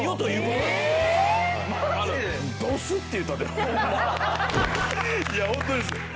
いやホントです。